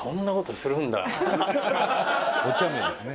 おちゃめですね。